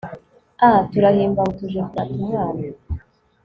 aaa; turahimbawe tuje kurata umwana